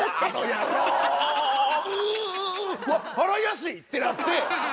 わっ洗いやすい！」ってなって。